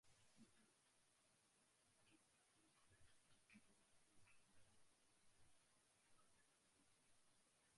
gani ya kufanya hilo Kila kitu katika dunia hii kina mtu Fulani aliyekianzisha Chameleone